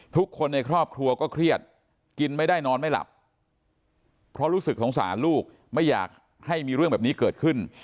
ทุกคนในครอบครัวก็เครียดกินไม่ได้นอนไม่หลับเพราะรู้สึกสงสารลูกไม่อยากให้มีเรื่องแบบนี้เกิดขึ้น